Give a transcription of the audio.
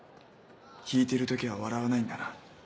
弾いてる時は笑わないんだな。